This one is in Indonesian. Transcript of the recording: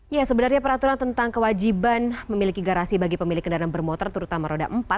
ya sebenarnya peraturan tentang kewajiban memiliki garasi bagi pemilik kendaraan bermotor terutama roda empat